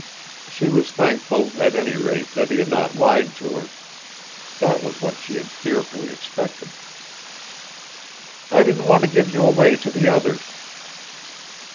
She was thankful, at any rate, that he had not lied to her. That was what she had fearfully expected. "I didn't want to give you away to the others."